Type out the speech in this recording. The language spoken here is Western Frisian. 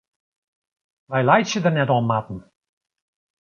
Wy laitsje der net om, Marten.